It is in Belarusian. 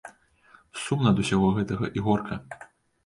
Сумна ад усяго гэтага і горка.